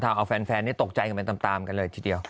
แต่แฟนตกใจตามกันเลยทีเดียว